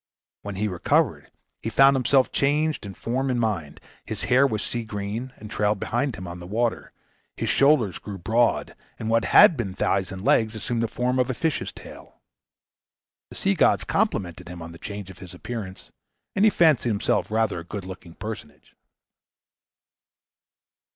When he recovered, he found himself changed in form and mind. His hair was sea green, and trailed behind him on the water; his shoulders grew broad, and what had been thighs and legs assumed the form of a fish's tail. The sea gods complimented him on the change of his appearance, and he fancied himself rather a good looking personage.